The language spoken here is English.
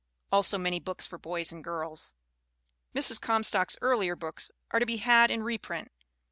(Also many books for boys and girls.) Mrs. Comstock's earlier books are to be had in re print.